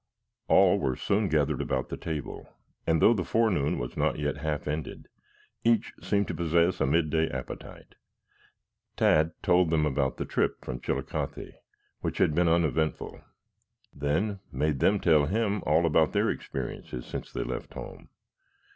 All were soon gathered about the table, and though the forenoon was not yet half ended, each seemed to possess a midday appetite. Tad told them about the trip from Chillicothe, which had been uneventful, then made them tell him all about their experiences since they left home.